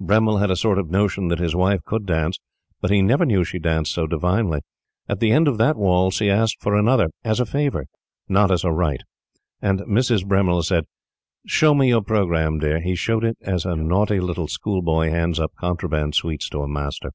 Bremmil had a sort of notion that his wife could dance, but he never knew she danced so divinely. At the end of that waltz he asked for another as a favor, not as a right; and Mrs. Bremmil said: "Show me your programme, dear!" He showed it as a naughty little schoolboy hands up contraband sweets to a master.